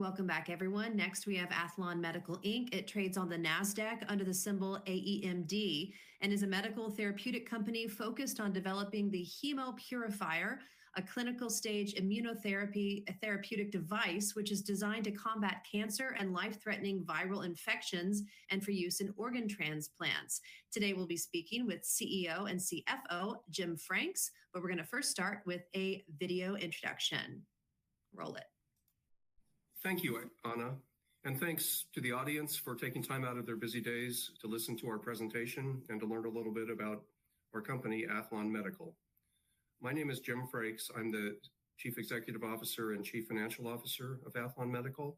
Welcome back, everyone. Next, we have Aethlon Medical. It trades on the NASDAQ under the symbol AEMD and is a medical therapeutic company focused on developing the Hemopurifier, a clinical stage immunotherapy therapeutic device which is designed to combat cancer and life-threatening viral infections and for use in organ transplants. Today, we'll be speaking with CEO and CFO Jim Frakes, but we're going to first start with a video introduction. Roll it. Thank you, Anna, and thanks to the audience for taking time out of their busy days to listen to our presentation and to learn a little bit about our company, Aethlon Medical. My name is Jim Frakes. I'm the Chief Executive Officer and Chief Financial Officer of Aethlon Medical,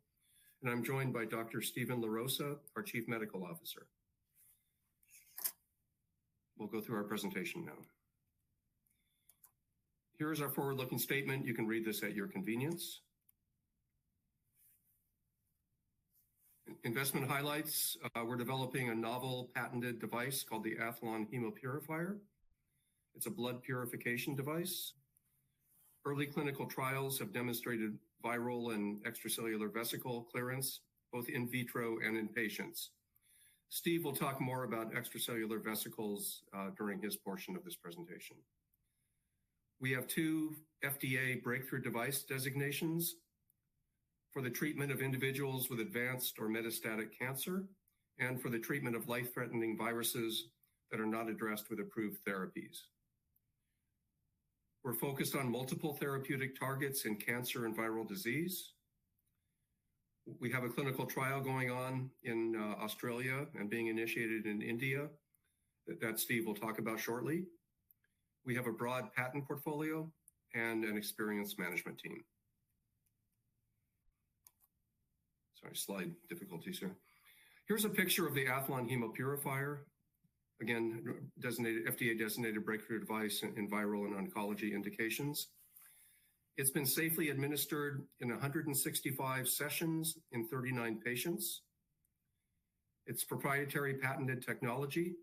and I'm joined by Dr. Steven LaRosa, our Chief Medical Officer. We'll go through our presentation now. Here is our forward-looking statement. You can read this at your convenience. Investment highlights: we're developing a novel patented device called the Aethlon Hemopurifier. It's a blood purification device. Early clinical trials have demonstrated viral and extracellular vesicle clearance, both in vitro and in patients. Steve will talk more about extracellular vesicles during his portion of this presentation. We have two FDA breakthrough device designations for the treatment of individuals with advanced or metastatic cancer and for the treatment of life-threatening viruses that are not addressed with approved therapies. We're focused on multiple therapeutic targets in cancer and viral disease. We have a clinical trial going on in Australia and being initiated in India that Steve will talk about shortly. We have a broad patent portfolio and an experienced management team. Sorry, slide difficulties, sir. Here's a picture of the Aethlon Hemopurifier, again, FDA-designated breakthrough device in viral and oncology indications. It's been safely administered in 165 sessions in 39 patients. It's proprietary patented technology.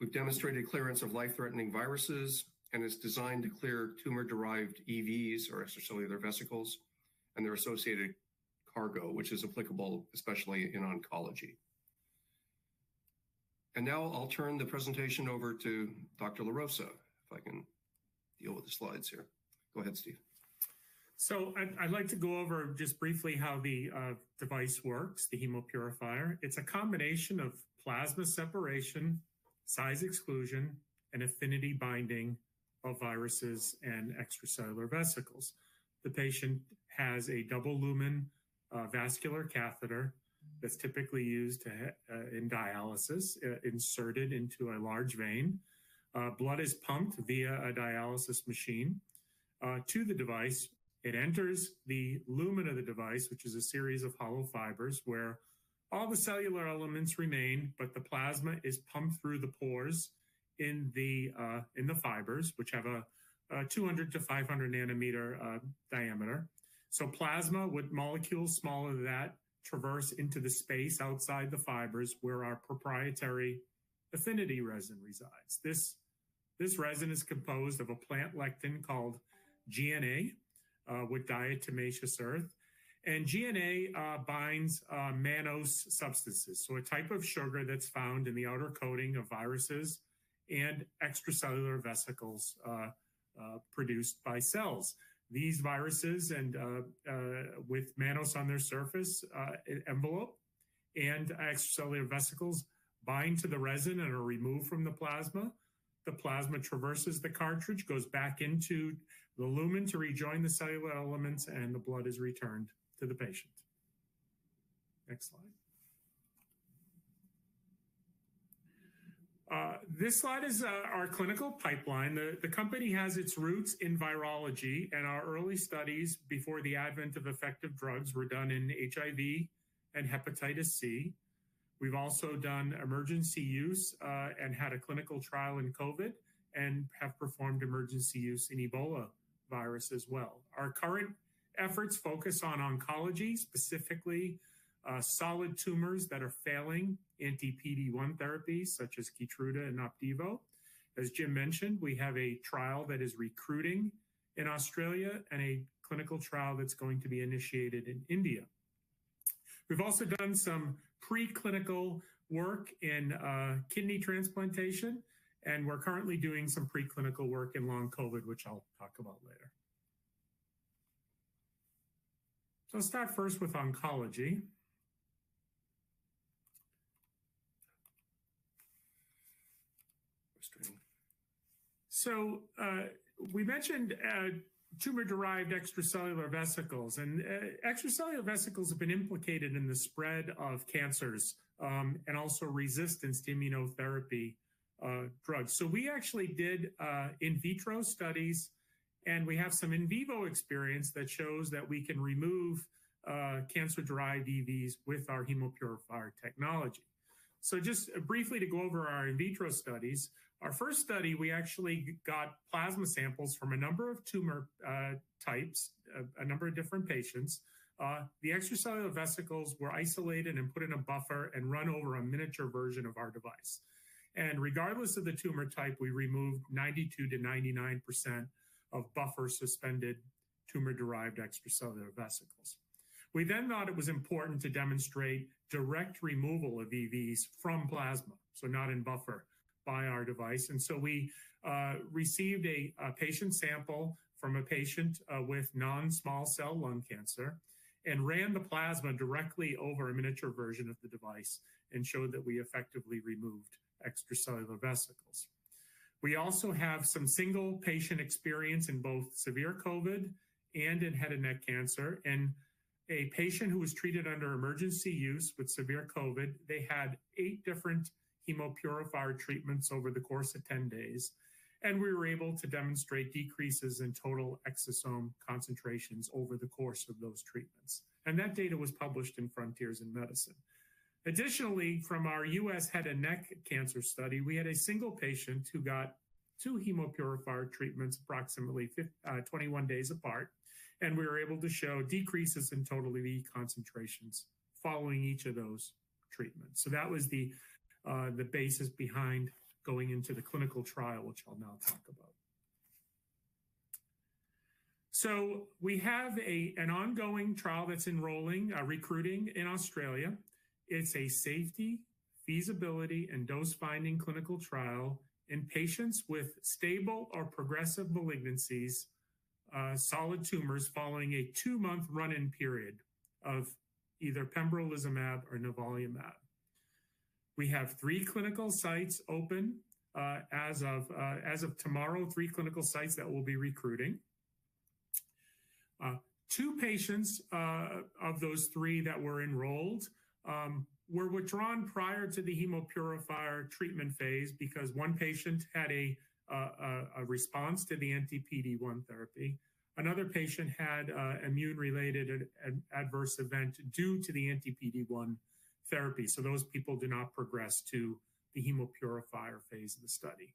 We've demonstrated clearance of life-threatening viruses and is designed to clear tumor-derived EVs, or extracellular vesicles, and their associated cargo, which is applicable especially in oncology. Now I'll turn the presentation over to Dr. LaRosa, if I can deal with the slides here. Go ahead, Steve. I'd like to go over just briefly how the device works, the Hemopurifier. It's a combination of plasma separation, size exclusion, and affinity binding of viruses and extracellular vesicles. The patient has a double-lumen vascular catheter that's typically used in dialysis, inserted into a large vein. Blood is pumped via a dialysis machine to the device. It enters the lumen of the device, which is a series of hollow fibers where all the cellular elements remain, but the plasma is pumped through the pores in the fibers, which have a 200-500 nanometer diameter. Plasma with molecules smaller than that traverse into the space outside the fibers where our proprietary affinity resin resides. This resin is composed of a plant lectin called GNA with diatomaceous earth, and GNA binds mannose substances, so a type of sugar that's found in the outer coating of viruses and extracellular vesicles produced by cells. These viruses, with mannose on their surface envelope and extracellular vesicles, bind to the resin and are removed from the plasma. The plasma traverses the cartridge, goes back into the lumen to rejoin the cellular elements, and the blood is returned to the patient. Next slide. This slide is our clinical pipeline. The company has its roots in virology, and our early studies before the advent of effective drugs were done in HIV and hepatitis C. We've also done emergency use and had a clinical trial in COVID and have performed emergency use in Ebola virus as well. Our current efforts focus on oncology, specifically solid tumors that are failing anti-PD-1 therapies such as Keytruda and Opdivo. As Jim mentioned, we have a trial that is recruiting in Australia and a clinical trial that's going to be initiated in India. We've also done some preclinical work in kidney transplantation, and we're currently doing some preclinical work in long COVID, which I'll talk about later. I'll start first with oncology. We mentioned tumor-derived extracellular vesicles, and extracellular vesicles have been implicated in the spread of cancers and also resistance to immunotherapy drugs. We actually did in vitro studies, and we have some in vivo experience that shows that we can remove cancer-derived EVs with our Hemopurifier technology. Just briefly to go over our in vitro studies, our first study, we actually got plasma samples from a number of tumor types, a number of different patients. The extracellular vesicles were isolated and put in a buffer and run over a miniature version of our device. Regardless of the tumor type, we removed 92-99% of buffer-suspended tumor-derived extracellular vesicles. We then thought it was important to demonstrate direct removal of EVs from plasma, so not in buffer, by our device. We received a patient sample from a patient with non-small cell lung cancer and ran the plasma directly over a miniature version of the device and showed that we effectively removed extracellular vesicles. We also have some single patient experience in both severe COVID and in head and neck cancer. In a patient who was treated under emergency use with severe COVID, they had eight different Hemopurifier treatments over the course of 10 days, and we were able to demonstrate decreases in total exosome concentrations over the course of those treatments. That data was published in Frontiers in Medicine. Additionally, from our US head and neck cancer study, we had a single patient who got two Hemopurifier treatments approximately 21 days apart, and we were able to show decreases in total EV concentrations following each of those treatments. That was the basis behind going into the clinical trial, which I'll now talk about. We have an ongoing trial that's enrolling, recruiting in Australia. It's a safety, feasibility, and dose-finding clinical trial in patients with stable or progressive malignancies, solid tumors following a two-month run-in period of either pembrolizumab or nivolumab. We have three clinical sites open as of tomorrow, three clinical sites that we'll be recruiting. Two patients of those three that were enrolled were withdrawn prior to the Hemopurifier treatment phase because one patient had a response to the anti-PD-1 therapy. Another patient had an immune-related adverse event due to the anti-PD-1 therapy, so those people did not progress to the Hemopurifier phase of the study.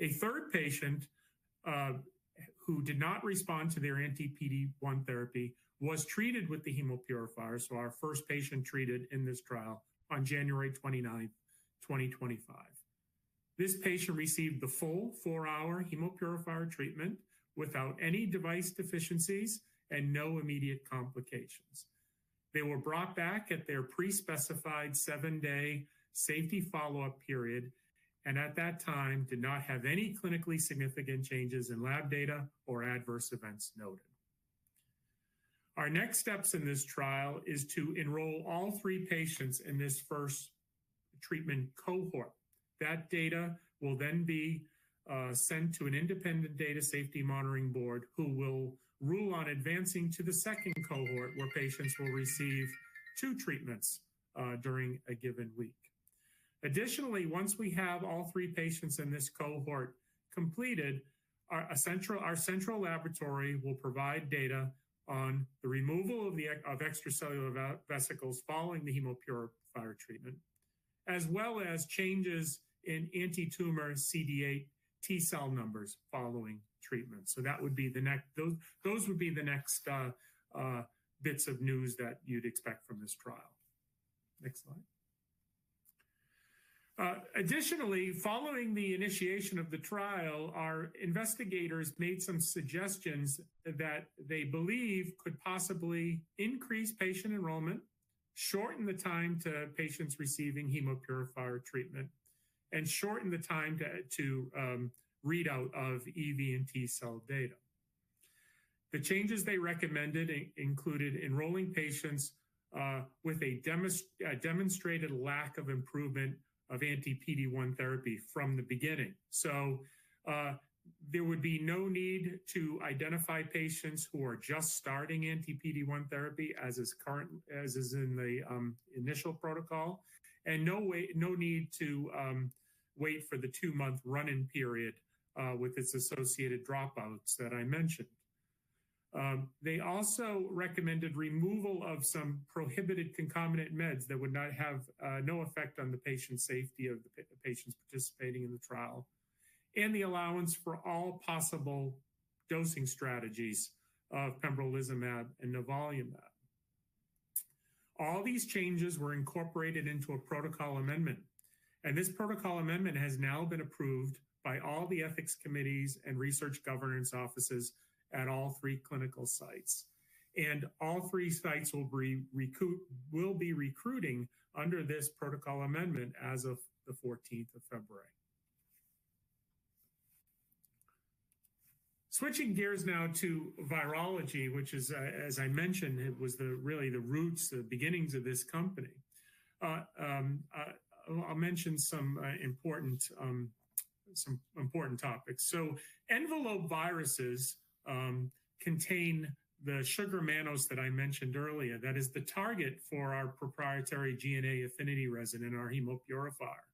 A third patient who did not respond to their anti-PD-1 therapy was treated with the Hemopurifier, so our first patient treated in this trial on January 29, 2025. This patient received the full four-hour Hemopurifier treatment without any device deficiencies and no immediate complications. They were brought back at their pre-specified seven-day safety follow-up period and at that time did not have any clinically significant changes in lab data or adverse events noted. Our next steps in this trial are to enroll all three patients in this first treatment cohort. That data will then be sent to an independent data safety monitoring board who will rule on advancing to the second cohort, where patients will receive two treatments during a given week. Additionally, once we have all three patients in this cohort completed, our central laboratory will provide data on the removal of extracellular vesicles following the Hemopurifier treatment, as well as changes in anti-tumor CD8 T cell numbers following treatment. That would be the next—those would be the next bits of news that you'd expect from this trial. Next slide. Additionally, following the initiation of the trial, our investigators made some suggestions that they believe could possibly increase patient enrollment, shorten the time to patients receiving Hemopurifier treatment, and shorten the time to read out of EV and T cell data. The changes they recommended included enrolling patients with a demonstrated lack of improvement of anti-PD-1 therapy from the beginning. There would be no need to identify patients who are just starting anti-PD-1 therapy, as is in the initial protocol, and no need to wait for the two-month run-in period with its associated dropouts that I mentioned. They also recommended removal of some prohibited concomitant meds that would have no effect on the safety of the patients participating in the trial, and the allowance for all possible dosing strategies of pembrolizumab and nivolumab. All these changes were incorporated into a protocol amendment, and this protocol amendment has now been approved by all the ethics committees and research governance offices at all three clinical sites. All three sites will be recruiting under this protocol amendment as of the 14th of February. Switching gears now to virology, which is, as I mentioned, really the roots, the beginnings of this company. I'll mention some important topics. Envelope viruses contain the sugar mannose that I mentioned earlier. That is the target for our proprietary GNA affinity resin in our Hemopurifier.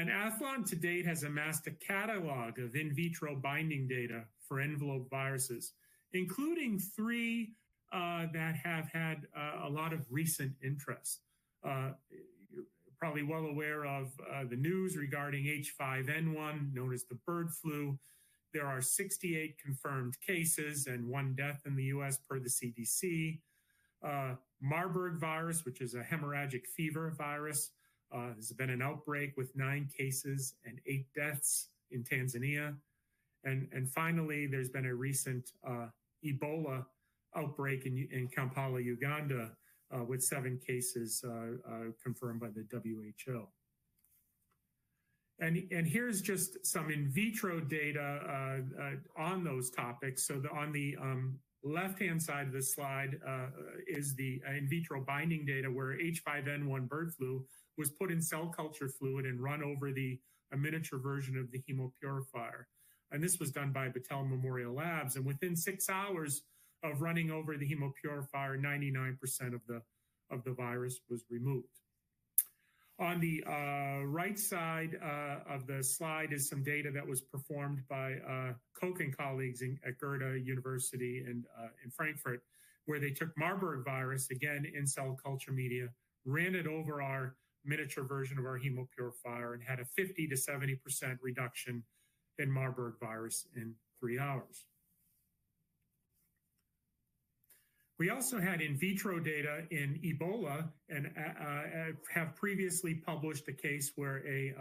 Aethlon to date has amassed a catalog of in vitro binding data for envelope viruses, including three that have had a lot of recent interest. You're probably well aware of the news regarding H5N1, known as the bird flu. There are 68 confirmed cases and one death in the US per the CDC. Marburg virus, which is a hemorrhagic fever virus, has been an outbreak with nine cases and eight deaths in Tanzania. Finally, there has been a recent Ebola outbreak in Kampala, Uganda, with seven cases confirmed by the WHO. Here is just some in vitro data on those topics. On the left-hand side of the slide is the in vitro binding data where H5N1 bird flu was put in cell culture fluid and run over the miniature version of the Hemopurifier. This was done by Battelle Memorial Labs. Within six hours of running over the Hemopurifier, 99% of the virus was removed. On the right side of the slide is some data that was performed by Koch and colleagues at Goethe University in Frankfurt, where they took Marburg virus, again, in cell culture media, ran it over our miniature version of our Hemopurifier, and had a 50-70% reduction in Marburg virus in three hours. We also had in vitro data in Ebola and have previously published a case where a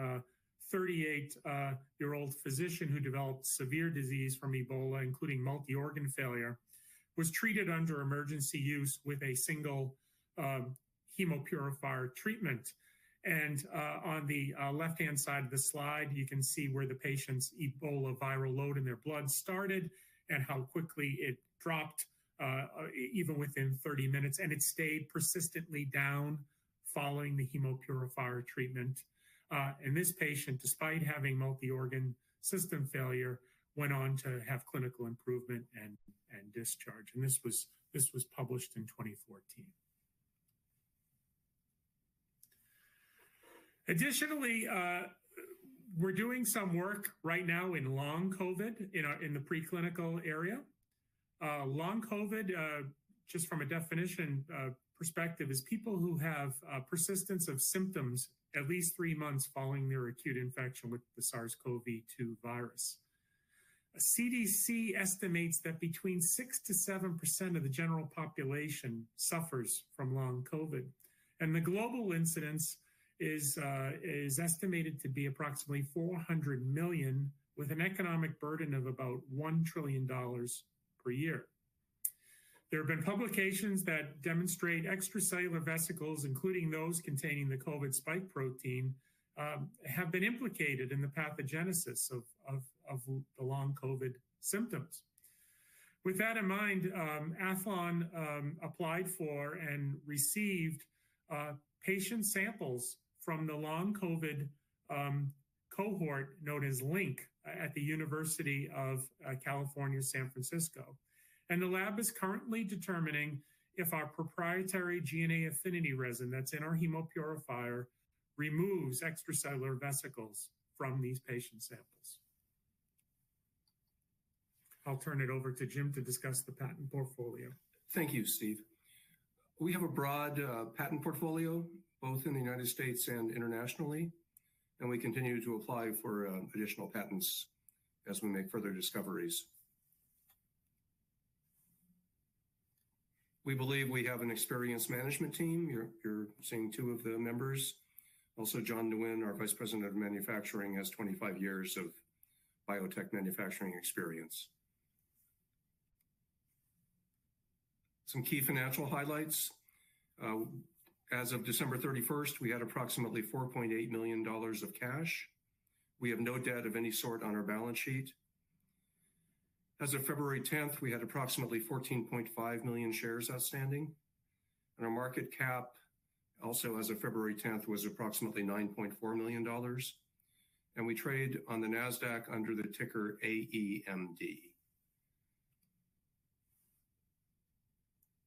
38-year-old physician who developed severe disease from Ebola, including multi-organ failure, was treated under emergency use with a single Hemopurifier treatment. On the left-hand side of the slide, you can see where the patient's Ebola viral load in their blood started and how quickly it dropped, even within 30 minutes, and it stayed persistently down following the Hemopurifier treatment. This patient, despite having multi-organ system failure, went on to have clinical improvement and discharge. This was published in 2014. Additionally, we're doing some work right now in long COVID in the preclinical area. Long COVID, just from a definition perspective, is people who have persistence of symptoms at least three months following their acute infection with the SARS-CoV-2 virus. CDC estimates that between 6-7% of the general population suffers from long COVID. The global incidence is estimated to be approximately 400 million, with an economic burden of about $1 trillion per year. There have been publications that demonstrate extracellular vesicles, including those containing the COVID spike protein, have been implicated in the pathogenesis of the long COVID symptoms. With that in mind, Aethlon applied for and received patient samples from the long COVID cohort known as LIINC at the University of California, San Francisco. The lab is currently determining if our proprietary GNA affinity resin that's in our Hemopurifier removes extracellular vesicles from these patient samples. I'll turn it over to Jim to discuss the patent portfolio. Thank you, Steve. We have a broad patent portfolio, both in the United States and internationally, and we continue to apply for additional patents as we make further discoveries. We believe we have an experienced management team. You're seeing two of the members. Also, John Nguyen, our Vice President of Manufacturing, has 25 years of biotech manufacturing experience. Some key financial highlights. As of December 31st, we had approximately $4.8 million of cash. We have no debt of any sort on our balance sheet. As of February 10th, we had approximately 14.5 million shares outstanding. Our market cap, also as of February 10th, was approximately $9.4 million. We trade on the NASDAQ under the ticker AEMD.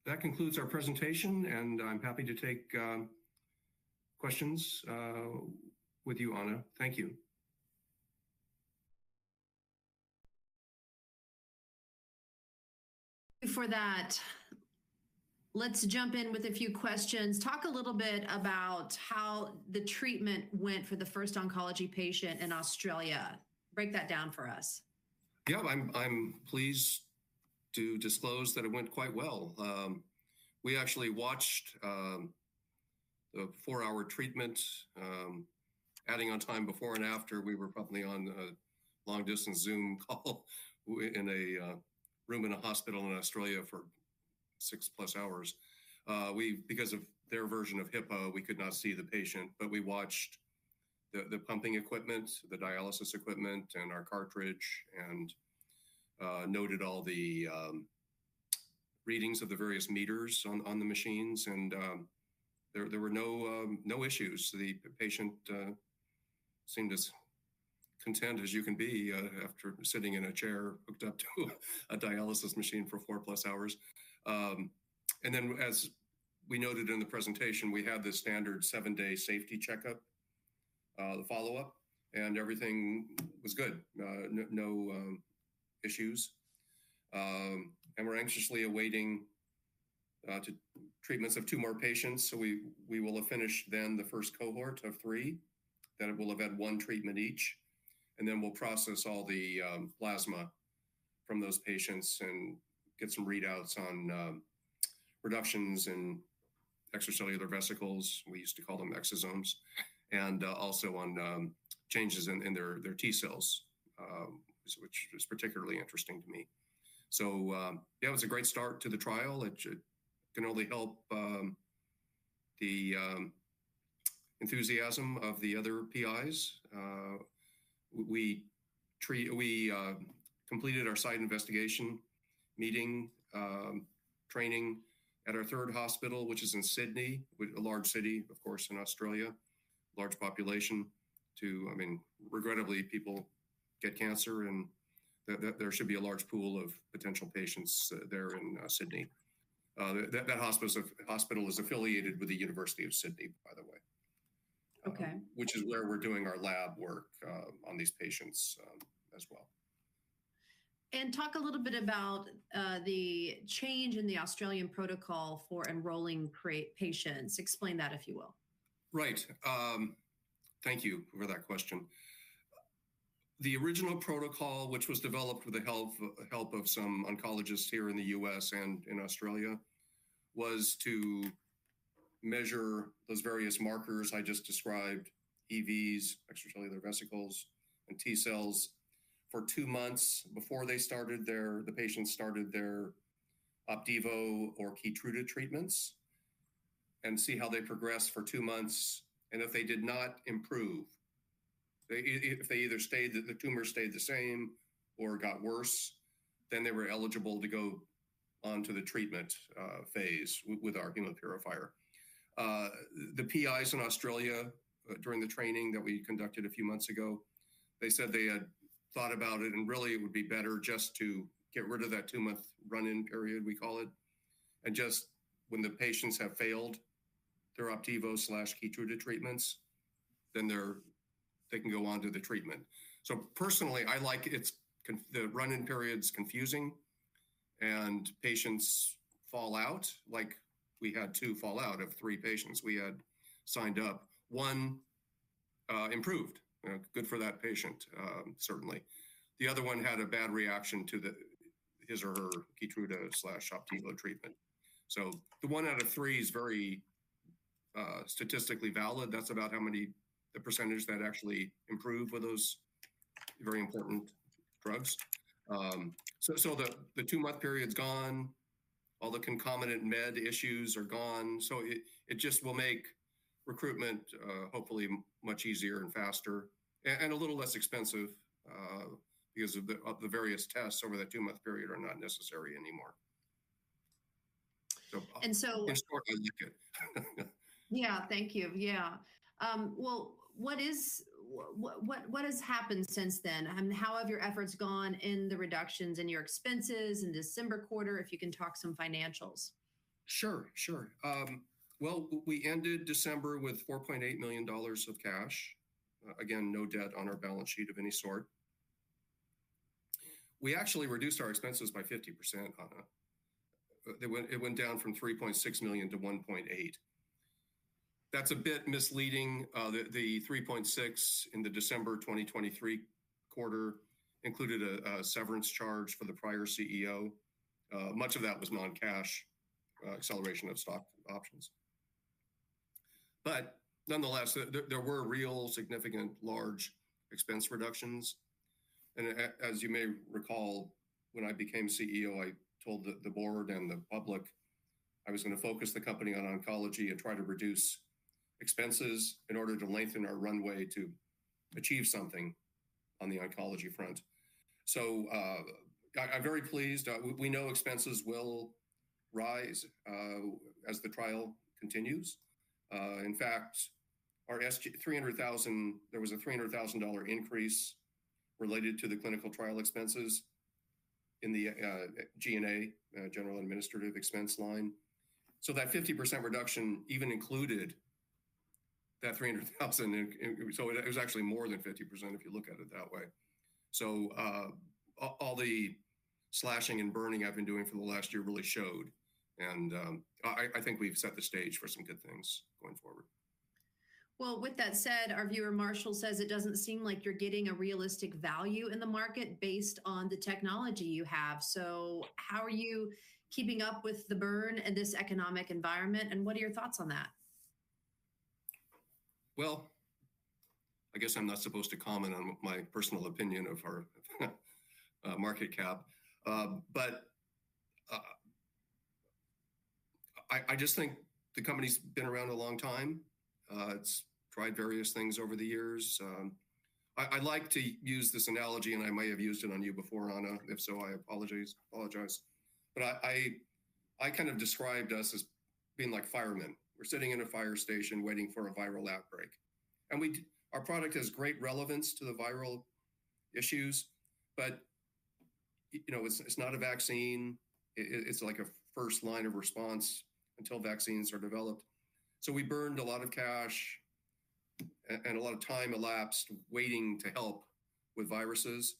That concludes our presentation, and I'm happy to take questions with you, Anna. Thank you. Before that, let's jump in with a few questions. Talk a little bit about how the treatment went for the first oncology patient in Australia. Break that down for us. Yeah, I'm pleased to disclose that it went quite well. We actually watched the four-hour treatment, adding on time before and after. We were probably on a long-distance Zoom call in a room in a hospital in Australia for six-plus hours. Because of their version of HIPAA, we could not see the patient, but we watched the pumping equipment, the dialysis equipment, and our cartridge, and noted all the readings of the various meters on the machines. There were no issues. The patient seemed as content as you can be after sitting in a chair hooked up to a dialysis machine for four-plus hours. As we noted in the presentation, we had the standard seven-day safety checkup, the follow-up, and everything was good. No issues. We're anxiously awaiting treatments of two more patients. We will have finished then the first cohort of three, that it will have had one treatment each. Then we'll process all the plasma from those patients and get some readouts on reductions in extracellular vesicles. We used to call them exosomes. Also on changes in their T cells, which was particularly interesting to me. Yeah, it was a great start to the trial. It can only help the enthusiasm of the other PIs. We completed our site investigation meeting training at our third hospital, which is in Sydney, a large city, of course, in Australia, large population. I mean, regrettably, people get cancer, and there should be a large pool of potential patients there in Sydney. That hospital is affiliated with the University of Sydney, by the way, which is where we're doing our lab work on these patients as well. Talk a little bit about the change in the Australian protocol for enrolling patients. Explain that, if you will. Right. Thank you for that question. The original protocol, which was developed with the help of some oncologists here in the U.S. and in Australia, was to measure those various markers I just described: EVs, extracellular vesicles, and T cells for two months before they started their—the patients started their Opdivo or Keytruda treatments—and see how they progressed for two months. If they did not improve, if they either stayed—the tumor stayed the same or got worse—then they were eligible to go on to the treatment phase with our Hemopurifier. The PIs in Australia, during the training that we conducted a few months ago, said they had thought about it, and really, it would be better just to get rid of that two-month run-in period, we call it. Just when the patients have failed their Opdivo/Keytruda treatments, they can go on to the treatment. Personally, I like the run-in period. It is confusing, and patients fall out. We had two fall out of three patients we had signed up. One improved. Good for that patient, certainly. The other one had a bad reaction to his or her Keytruda/Opdivo treatment. The one out of three is very statistically valid. That is about how many—the percentage that actually improved with those very important drugs. The two-month period is gone. All the concomitant med issues are gone. It just will make recruitment, hopefully, much easier and faster and a little less expensive because the various tests over that two-month period are not necessary anymore. And so. I'll just shortly look at. Yeah. Thank you. Yeah. What has happened since then? How have your efforts gone in the reductions in your expenses in December quarter, if you can talk some financials? Sure. Sure. We ended December with $4.8 million of cash. Again, no debt on our balance sheet of any sort. We actually reduced our expenses by 50%, Anna. It went down from $3.6 million-$1.8 million. That is a bit misleading. The $3.6 million in the December 2023 quarter included a severance charge for the prior CEO. Much of that was non-cash acceleration of stock options. Nonetheless, there were real significant large expense reductions. As you may recall, when I became CEO, I told the board and the public I was going to focus the company on oncology and try to reduce expenses in order to lengthen our runway to achieve something on the oncology front. I am very pleased. We know expenses will rise as the trial continues. In fact, our $300,000—there was a $300,000 increase related to the clinical trial expenses in the GNA, general administrative expense line. That 50% reduction even included that $300,000. It was actually more than 50% if you look at it that way. All the slashing and burning I've been doing for the last year really showed. I think we've set the stage for some good things going forward. With that said, our viewer, Marshall, says it doesn't seem like you're getting a realistic value in the market based on the technology you have. How are you keeping up with the burn and this economic environment? What are your thoughts on that? I guess I'm not supposed to comment on my personal opinion of our market cap. I just think the company's been around a long time. It's tried various things over the years. I like to use this analogy, and I may have used it on you before, Anna. If so, I apologize. I kind of described us as being like firemen. We're sitting in a fire station waiting for a viral outbreak. Our product has great relevance to the viral issues, but it's not a vaccine. It's like a first line of response until vaccines are developed. We burned a lot of cash, and a lot of time elapsed waiting to help with viruses.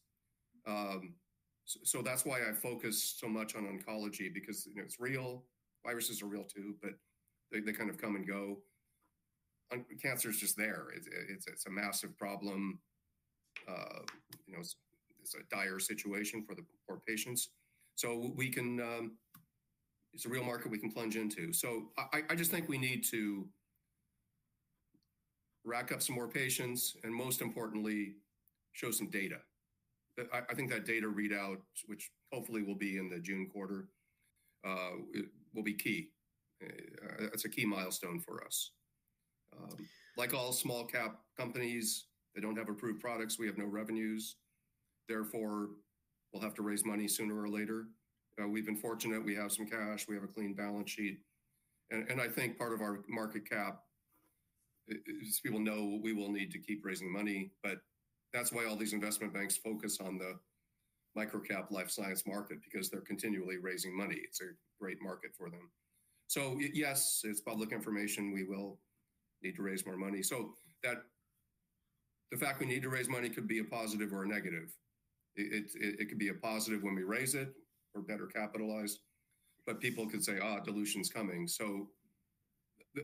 That's why I focus so much on oncology, because it's real. Viruses are real too, but they kind of come and go. Cancer is just there. It's a massive problem. It's a dire situation for the poor patients. It's a real market we can plunge into. I just think we need to rack up some more patients and, most importantly, show some data. I think that data readout, which hopefully will be in the June quarter, will be key. That's a key milestone for us. Like all small-cap companies, they don't have approved products. We have no revenues. Therefore, we'll have to raise money sooner or later. We've been fortunate. We have some cash. We have a clean balance sheet. I think part of our market cap, as people know, we will need to keep raising money. That's why all these investment banks focus on the microcap life science market, because they're continually raising money. It's a great market for them. Yes, it's public information. We will need to raise more money. The fact we need to raise money could be a positive or a negative. It could be a positive when we raise it. We're better capitalized. People could say, dilution's coming.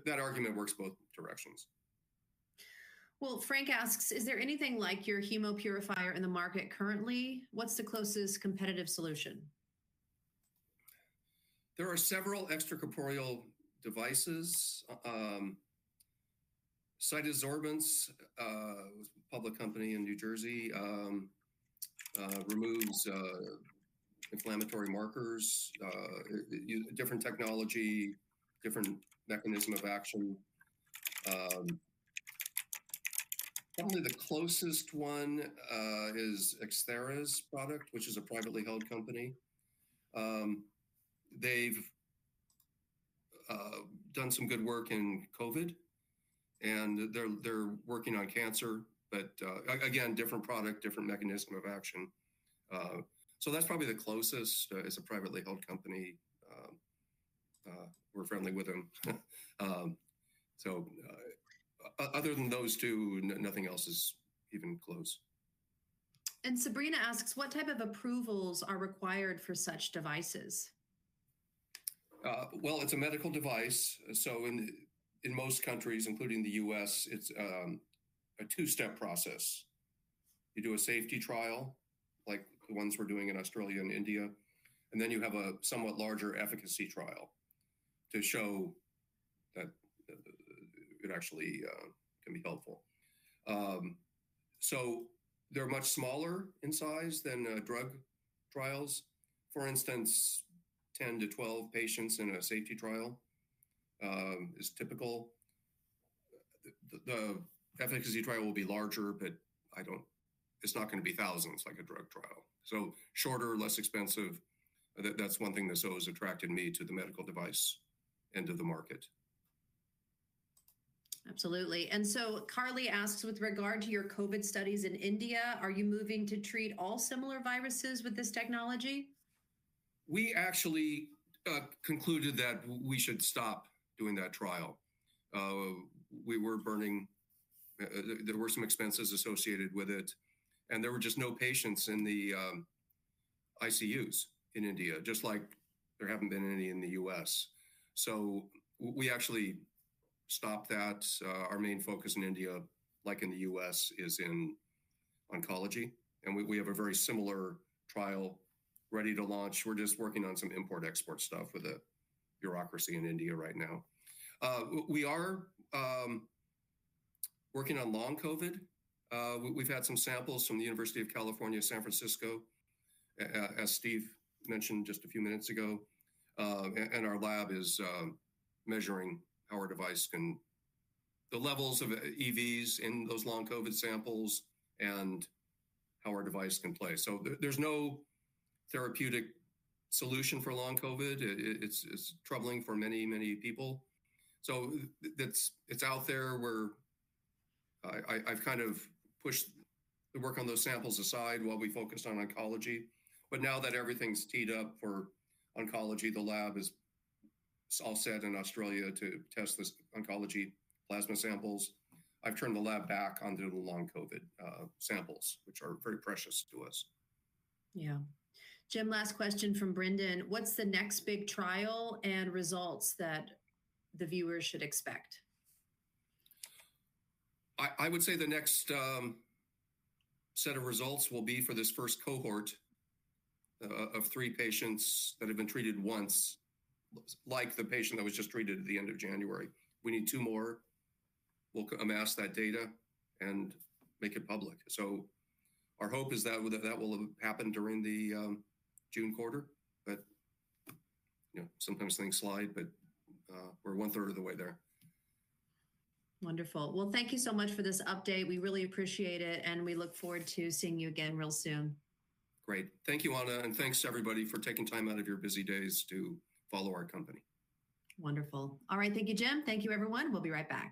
That argument works both directions. Frank asks, "Is there anything like your Hemopurifier in the market currently? What's the closest competitive solution? There are several extracorporeal devices. CytoSorbents, a public company in New Jersey, removes inflammatory markers. Different technology, different mechanism of action. Probably the closest one is ExThera's product, which is a privately held company. They've done some good work in COVID, and they're working on cancer. Again, different product, different mechanism of action. That is probably the closest. It's a privately held company. We're friendly with them. Other than those two, nothing else is even close. Sabrina asks, "What type of approvals are required for such devices? It's a medical device. In most countries, including the U.S., it's a two-step process. You do a safety trial, like the ones we're doing in Australia and India. Then you have a somewhat larger efficacy trial to show that it actually can be helpful. They're much smaller in size than drug trials. For instance, 10-12 patients in a safety trial is typical. The efficacy trial will be larger, but it's not going to be thousands like a drug trial. Shorter, less expensive. That's one thing that's always attracted me to the medical device end of the market. Absolutely. Carly asks, "With regard to your COVID studies in India, are you moving to treat all similar viruses with this technology? We actually concluded that we should stop doing that trial. We were burning—there were some expenses associated with it. There were just no patients in the ICUs in India, just like there have not been any in the U.S. We actually stopped that. Our main focus in India, like in the U.S., is in oncology. We have a very similar trial ready to launch. We are just working on some import-export stuff with the bureaucracy in India right now. We are working on long COVID. We have had some samples from the University of California, San Francisco, as Steve mentioned just a few minutes ago. Our lab is measuring how our device can—the levels of EVs in those long COVID samples and how our device can play. There is no therapeutic solution for long COVID. It is troubling for many, many people. It is out there. I've kind of pushed the work on those samples aside while we focused on oncology. Now that everything's teed up for oncology, the lab is all set in Australia to test the oncology plasma samples. I've turned the lab back onto the long COVID samples, which are very precious to us. Yeah. Jim, last question from Brendan. What's the next big trial and results that the viewers should expect? I would say the next set of results will be for this first cohort of three patients that have been treated once, like the patient that was just treated at the end of January. We need two more. We'll amass that data and make it public. Our hope is that that will happen during the June quarter. Sometimes things slide, but we're one-third of the way there. Wonderful. Thank you so much for this update. We really appreciate it. We look forward to seeing you again real soon. Great. Thank you, Anna. Thank you, everybody, for taking time out of your busy days to follow our company. Wonderful. All right. Thank you, Jim. Thank you, everyone. We'll be right back.